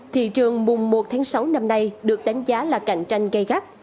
thị trường mùng một tháng sáu năm nay được đánh giá là cạnh tranh gây gắt